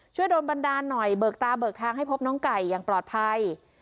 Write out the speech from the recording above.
ช่วยโดนบันดาลหน่อยเบิกตาเบิกทางให้พบน้องไก่อย่างปลอดภัย